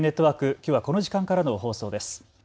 きょうはこの時間からの放送です。